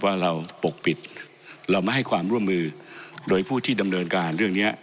ว่าเราปกปิดเราไม่ให้ความร่วมมือโดยผู้ที่ดำเนินการเรื่องนี้